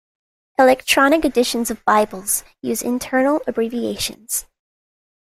Electronic editions of Bibles use internal abbreviations.